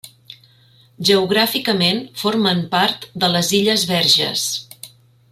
Geogràficament, formen part de les illes Verges.